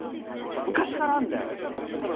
昔からあるんだよ。